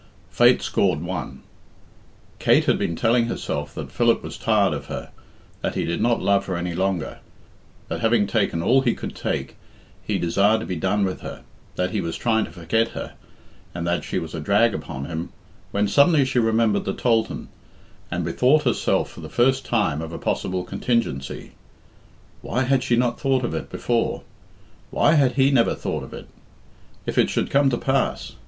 Fate scored one. Kate had been telling herself that Philip was tired of her, that he did not love her any longer, that having taken all he could take he desired to be done with her, that he was trying to forget her, and that she was a drag upon him, when suddenly she remembered the tholthan, and bethought herself for the first time of a possible contingency. Why had she not thought of it before? Why had he never thought of it? If it should come to pass!